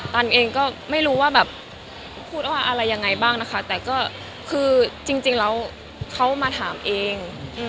ตันเองก็ไม่รู้ว่าแบบพูดว่าอะไรยังไงบ้างนะคะแต่ก็คือจริงแล้วเขามาถามเอง